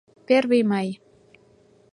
ПЕРВЫЙ МАЙ